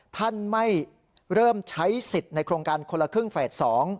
ท่านไม่เริ่มใช้สิทธิ์ในโครงการคนละครึ่งเฟส๒